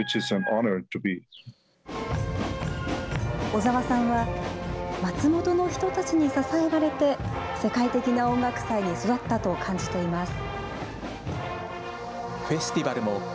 小澤さんは、松本の人たちに支えられて、世界的な音楽祭に育ったと感じています。